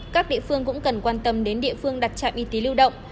các địa phương cũng cần quan tâm đến địa phương đặt trạm y tế lưu động